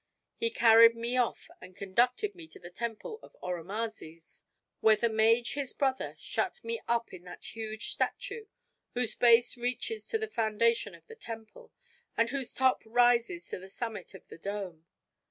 He carried me off and conducted me to the temple of Oromazes, where the mage his brother shut me up in that huge statue whose base reaches to the foundation of the temple and whose top rises to the summit of the dome.